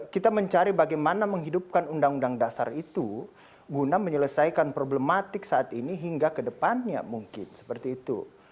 kita mencari bagaimana menghidupkan undang undang dasar itu guna menyelesaikan problematik saat ini hingga kedepannya mungkin seperti itu